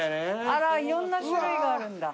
あらいろんな種類があるんだ。